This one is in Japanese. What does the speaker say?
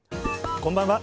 こんばんは。